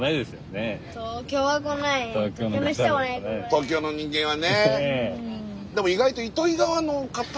東京の人間はね。